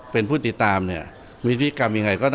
เป็นผู้ติตามมีพิกรรมยังไง